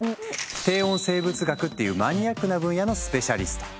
低温生物学っていうマニアックな分野のスペシャリスト。